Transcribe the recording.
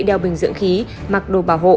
đeo bình dưỡng khí mặc đồ bảo hộ